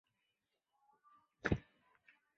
那天恰巧是法国国庆日。